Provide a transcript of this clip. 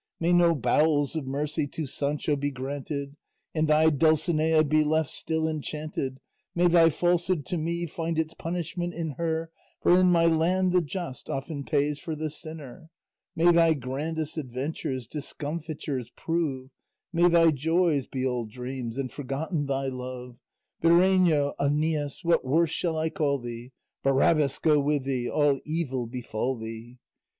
May no bowels of mercy To Sancho be granted, And thy Dulcinea Be left still enchanted, May thy falsehood to me Find its punishment in her, For in my land the just Often pays for the sinner. May thy grandest adventures Discomfitures prove, May thy joys be all dreams, And forgotten thy love. Bireno, Æneas, what worse shall I call thee? Barabbas go with thee! All evil befall thee!